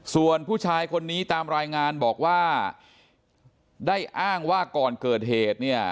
ส่วนผู้ชายคนนี้ตามรายงานบอกว่าได้อ้างว่าก่อนเกิดเหตุเนี่ย